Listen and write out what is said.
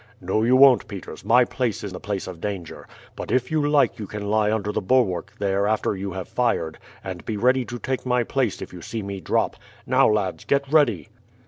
"No, you won't, Peters; my place is the place of danger. But if you like you can lie under the bulwark there after you have fired, and be ready to take my place if you see me drop. Now, lads, get ready."